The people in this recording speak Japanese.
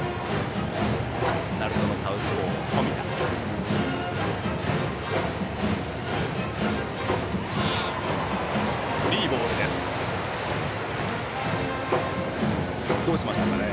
鳴門のサウスポー、冨田。